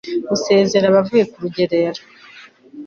gusezerera abavuye ku rugerero